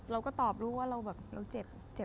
เราก็ตอบลูกว่าเราเจ็บในใจ